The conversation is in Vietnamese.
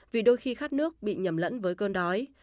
vì đôi khi khát nước bị nhầm lẫn với cơn đói